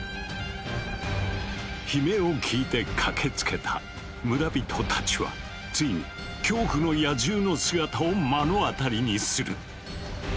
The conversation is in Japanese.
悲鳴を聞いて駆けつけた村人たちはついに恐怖の野獣の姿を目の当たりにする。